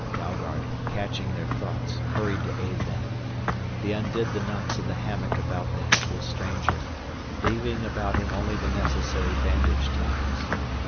Dalgard, catching their thoughts, hurried to aid them. They undid the knots of the hammock about the helpless stranger, leaving about him only the necessary bandage ties.